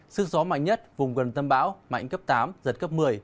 sức gió mạnh nhất vùng gần tâm bão mạnh cấp tám giật cấp một mươi